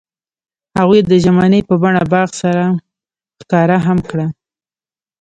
هغوی د ژمنې په بڼه باغ سره ښکاره هم کړه.